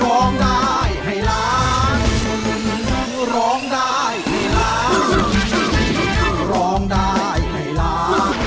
ร้องได้ให้ล้านร้องได้ให้ล้านร้องได้ให้ล้าน